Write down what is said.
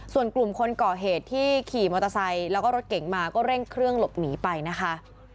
ส่วนกลุ่มคนก่อเหตุที่ขี่มอเตอร์ไซค์แล้วก็รถเก๋งมาก็เร่งเครื่องหลบหนีไปนะคะ